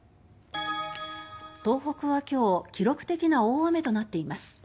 東北は今日記録的な大雨となっています。